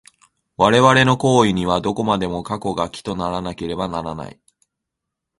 我々の行為には、どこまでも過去が基とならなければならない。